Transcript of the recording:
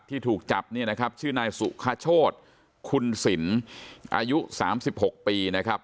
ถูกจับเนี่ยนะครับชื่อนายสุคโชธคุณสินอายุ๓๖ปีนะครับ